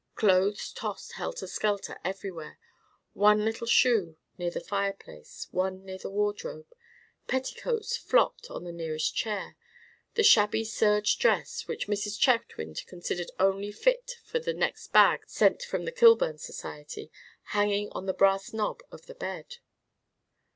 Clothes tossed helter skelter everywhere; one little shoe near the fireplace, one near the wardrobe; petticoats flopped on the nearest chair; the shabby serge dress, which Mrs. Chetwynd considered only to be fit for the next bag sent from the Kilburn Society, hanging on the brass knob of the bed.